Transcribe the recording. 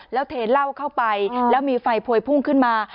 แล้วเทเหล้าเข้าไปแล้วมีไฟพวยพุ่งขึ้นมา